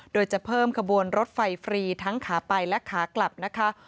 โดยจะเพิ่มขบวนรถไฟฟรีทั้งขาไปและขากลับนะคะ